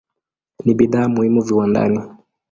Ni bidhaa muhimu viwandani.